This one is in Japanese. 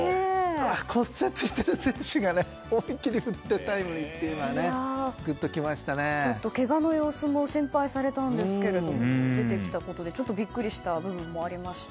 骨折している選手がタイムリーというのはけがの様子も心配されたんですが出てきたことでビックリした部分もありました。